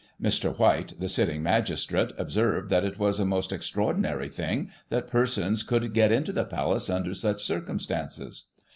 Mr. White, the sitting magistrate, observed that it was a most extraordinary thing that persons could get into the Palace under such circumstances.